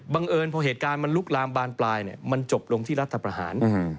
เอิญพอเหตุการณ์มันลุกลามบานปลายมันจบลงที่รัฐประหาร